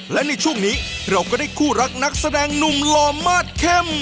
และในช่วงนี้เราก็ได้คู่รักนักแสดงหนุ่มหล่อมาสเข้ม